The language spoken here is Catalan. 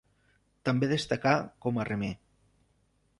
També destacà com a remer.